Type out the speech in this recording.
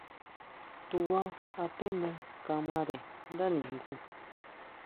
Tubá aténa kamare ndá ningu.